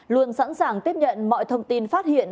luôn sẵn sàng tiếp nhận mọi thông tin phát hiện